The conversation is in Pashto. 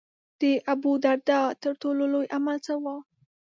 د ابوالدرداء تر ټولو لوی عمل څه و.